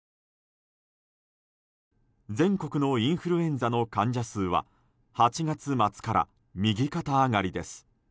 全国のインフルエンザの患者数は８月末から右肩上がりです。